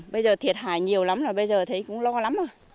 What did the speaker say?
bây giờ thiệt hại nhiều lắm là bây giờ thấy cũng lo lắm rồi